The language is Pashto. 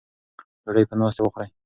ډوډۍ په ناستې وخورئ.